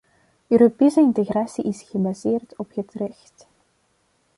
Europese integratie is gebaseerd op het recht.